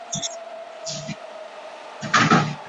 城市霓虹灯招牌属于一种特殊的大型氖灯。